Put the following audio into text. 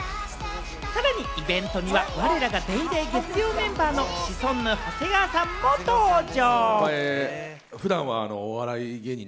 さらにイベントには、われらが『ＤａｙＤａｙ．』月曜メンバーのシソンヌ・長谷川さんも登場。